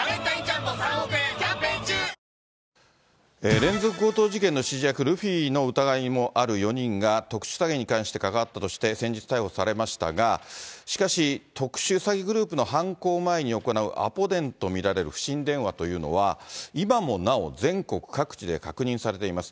連続強盗事件の指示役、ルフィの疑いもある４人が、特殊詐欺に関して関わったとして、先日逮捕されましたが、しかし、特殊詐欺グループの犯行前に行うアポ電と見られる不審電話というのは、今もなお、全国各地で確認されています。